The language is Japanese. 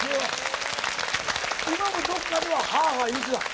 今もどっかでは「ハーハー」言ってたん？